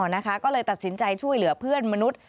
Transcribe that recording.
ก็เลยตัดสินใจช่วยเหลือเพื่อนมนุษย์